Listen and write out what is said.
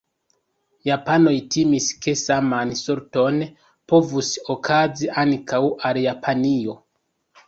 Japanoj timis ke saman sorton povus okazi ankaŭ al Japanio.